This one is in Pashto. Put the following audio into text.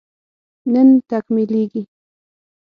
نن تکميلېږي